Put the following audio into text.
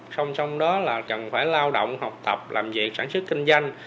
song song đó là cần phải lao động học tập làm việc sản xuất kinh doanh